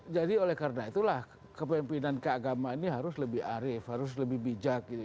jadi oleh karena itulah kepemimpinan keagamaan ini harus lebih arif harus lebih bijak